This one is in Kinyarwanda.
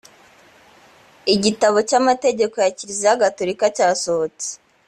igitabo cy’amategeko ya kiliziya gatolika cyasohotse